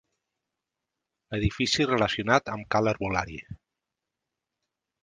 Edifici relacionat amb Ca l'Herbolari.